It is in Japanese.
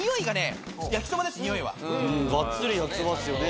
がっつり焼そばですよね。